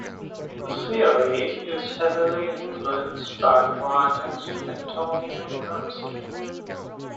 The theory is heavily influenced by the writings of Antonio Gramsci.